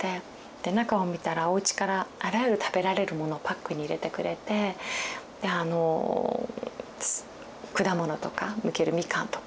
で中を見たらおうちからあらゆる食べられるものパックに入れてくれてであの果物とかむけるみかんとか。